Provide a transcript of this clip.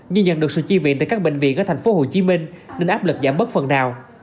nhưng nhận được sự chi viện từ các bệnh viện ở thành phố hồ chí minh nên áp lực giảm bớt phần nào